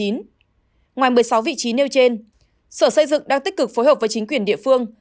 ngoài một mươi sáu vị trí nêu trên sở xây dựng đang tích cực phối hợp với chính quyền địa phương